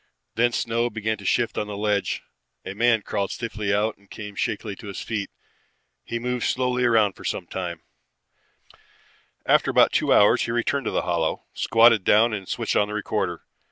Then snow began to shift on the ledge. A man crawled stiffly out and came shakily to his feet. He moved slowly around for some time. After about two hours he returned to the hollow, squatted down and switched on the recorder.